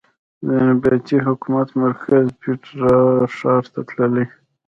د نبطي حکومت مرکز پېټرا ښار ته تللې.